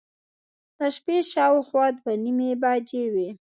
د شپې شاوخوا دوه نیمې بجې وې.